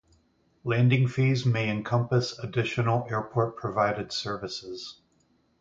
Landing fees may encompass additional airport provided services.